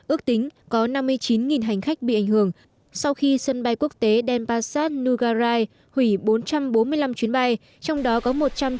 ước tính có năm mươi chín hành khách bị ảnh hưởng sau khi sân bay quốc tế denpasar nugarai hủy bốn trăm bốn mươi năm chuyến bay trong đó có một trăm chín mươi sáu chuyến quốc tế và hai trăm bốn mươi chín chuyến trong nước trong sáng nay